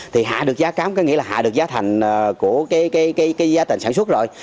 thì hạ được cái giá cám có nghĩa là hạ được giá thành của giá tình sản xuất rồi